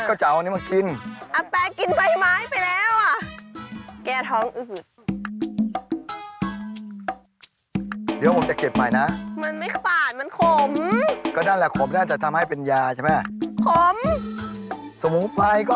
อะก็จะเอาอันนี้มากินอาแปกินไบไม้ไปแล้ว